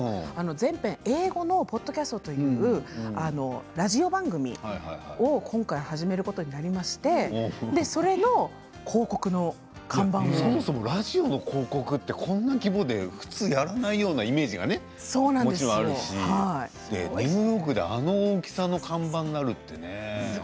全編英語のポッドキャストのラジオ番組を今回始めることになりましてそもそもラジオの広告ってこんな規模でやらないイメージがあるしニューヨークで、あの大きさの看板になるってね。